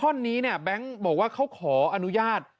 ท่อนนี้เนี่ยแบงค์บอกว่าเขาขออนุญาต